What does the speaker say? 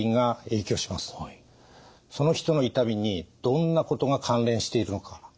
その人の痛みにどんなことが関連しているのか。